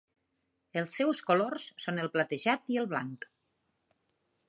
Els seus colors són el platejat i el blanc.